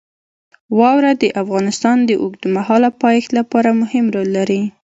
واوره د افغانستان د اوږدمهاله پایښت لپاره مهم رول لري.